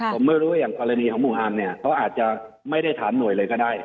ผมไม่รู้อย่างกรณีของหมู่อาร์มเนี่ยเขาอาจจะไม่ได้ถามหน่วยเลยก็ได้